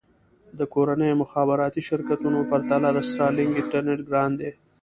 د کورنیو مخابراتي شرکتونو پرتله د سټارلېنک انټرنېټ ګران دی.